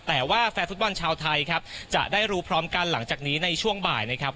แต่ว่าแฟนฟุตบอลชาวไทยครับจะได้รู้พร้อมกันหลังจากนี้ในช่วงบ่ายนะครับ